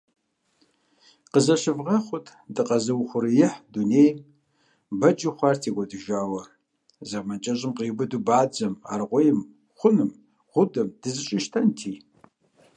Къызыщывгъэхъут дыкъэзыухъуреихь дунейм бэджу хъуар текIуэдыкIыжауэ. Зэман кIэщIым къриубыдэу бадзэм, аргъуейм, хъуным, гъудэм дызэщIащтэнти.